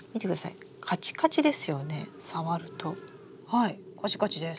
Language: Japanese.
はいカチカチです。